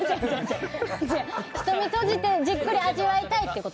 瞳をとじてじっくり味わいたいということ。